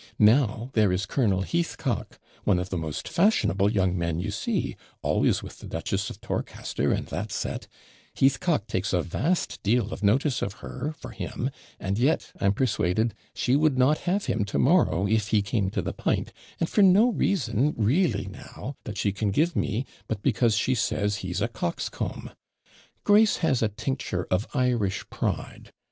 Now there is Colonel Heathcock, one of the most fashionable young men you see, always with the Duchess of Torcaster and that set Heathcock takes a vast deal of notice of her, for him; and yet, I'm persuaded, she would not have him to morrow, if he came to the PINT, and for no reason, REELLY now, that she can give me, but because she says he's a coxcomb. Grace has a tincture of Irish pride.